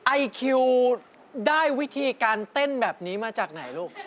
ไอคิวได้วิธีการเต้นแบบนี้มาจากไหนลูก